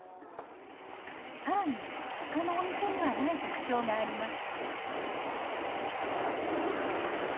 更にほかのお店にはない特徴があります。